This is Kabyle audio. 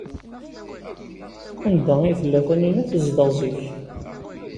Anda ay tella Taninna tezdeɣ zik?